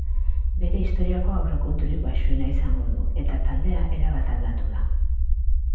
Bere historiako aurrekonturik baxuena izango du, eta taldea erabat aldatu da.